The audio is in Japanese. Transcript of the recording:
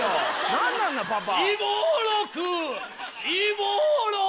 何なんだパパ！